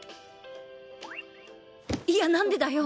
いや何でだよ！